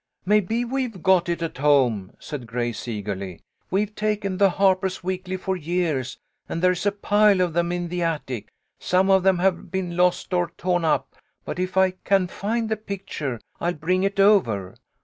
" Maybe we've got it at home," said Grace, eagerly. "We've taken the Harper's Weekly for years, and IO2 THE LITTLE COLONEL'S HOLIDAYS. there is a pile of them in the attic. Some of them have been lost or torn up, but if I can find the pic ture I'll bring it over.